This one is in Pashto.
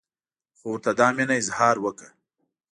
خو ورته دا مینه اظهار وکړه.